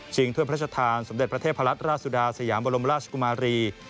ชิงท่วนพระชธานสมเด็จประเทศพระรัชราสุดาสยามบรมลาชกุมารี